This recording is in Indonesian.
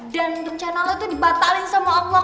dan rencana lo itu dibatalin sama allah